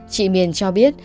chị miền cho biết